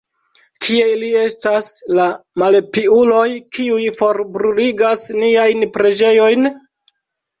Kie ili estas, la malpiuloj, kiuj forbruligas niajn preĝejojn?